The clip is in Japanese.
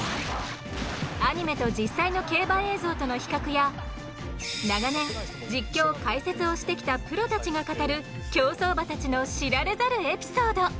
アニメと実際の競馬映像との比較や長年実況・解説をしてきたプロたちが語る競走馬たちの知られざるエピソード。